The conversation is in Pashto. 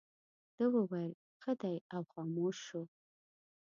ده وویل ښه دی او خاموش شو.